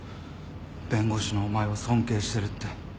弁護士のお前を尊敬してるって。